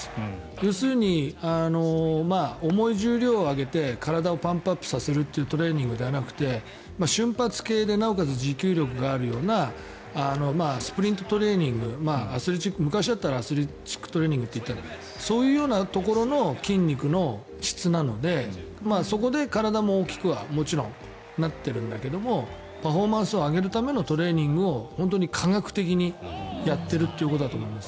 要するに、重い重量を挙げて体をパンプアップさせるというトレーニングではなくて瞬発系でなおかつ持久力があるようなスプリントトレーニング昔だったらアスレチックトレーニングと言ったんだけどそういうようなところの筋肉の質なのでそこで体も大きくはもちろんなっているんだけどパフォーマンスを上げるためのトレーニングを科学的にやっているということだと思います。